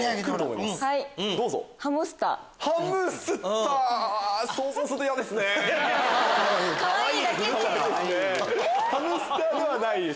ハムスターではないです。